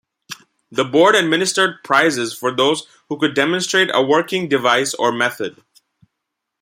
The Board administered prizes for those who could demonstrate a working device or method.